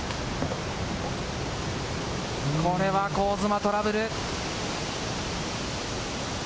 これは香妻、トラブル。